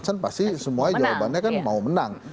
yang pasti semua jawabannya kan mau menang